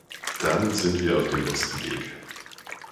Dann sind wir auf dem besten Wege.